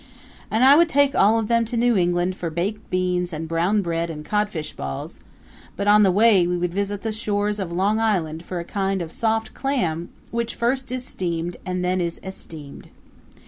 And I would take all of them to New England for baked beans and brown bread and codfish balls; but on the way we would visit the shores of Long Island for a kind of soft clam which first is steamed and then is esteemed.